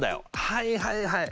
はいはいはい。